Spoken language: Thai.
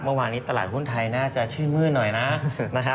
เมื่อวานนี้ตลาดหุ้นไทยน่าจะชื่นมืดหน่อยนะนะฮะ